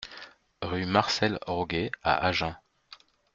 Rue Marcel Rogué à Agen